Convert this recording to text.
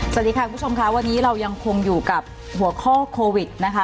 สวัสดีค่ะคุณผู้ชมค่ะวันนี้เรายังคงอยู่กับหัวข้อโควิดนะคะ